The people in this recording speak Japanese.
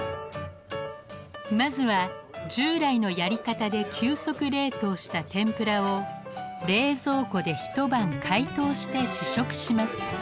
まずは従来のやり方で急速冷凍した天ぷらを冷蔵庫で一晩解凍して試食します。